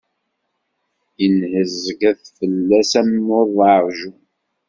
Yenheẓgeṭ fell-as am uḍeɛjun.